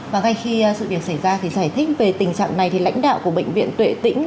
và ngay khi sự việc xảy ra thì giải thích về tình trạng này thì lãnh đạo của bệnh viện tuệ tĩnh